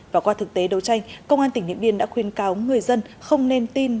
và qua thực tế đấu tranh công an tỉnh điện biên đã khuyên cáo người dân không nên tin